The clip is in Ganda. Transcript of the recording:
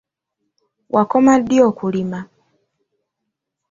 Wakoma ddi okulima?